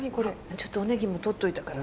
ちょっとおネギもとっといたから。